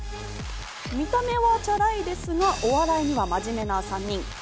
見た目はチャラいですが、お笑いには真面目な３人。